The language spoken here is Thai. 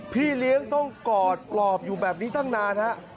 พี่เลี้ยงต้องกอดกลอบอยู่แบบนี้ตั้งนานฮะ